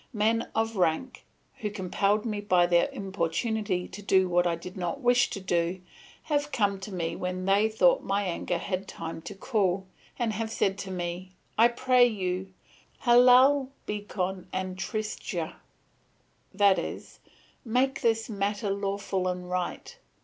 Men of rank, who had compelled me by their importunity to do what I did not wish to do, have come to me when they thought my anger had had time to cool, and have said to me; I pray you "Halal becon antchisra," that is, "Make this matter lawful and right."